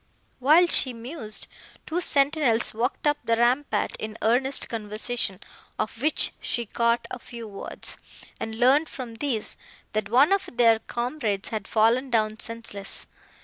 While she mused, two sentinels walked up the rampart in earnest conversation, of which she caught a few words, and learned from these, that one of their comrades had fallen down senseless.